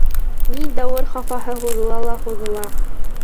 Ни дәүер хафаһы һуҙыла ла һуҙыла.